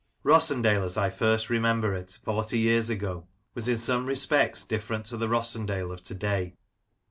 Rossendale, as I first remember it, forty years ago, was in some respects different to the Rossendale of to day.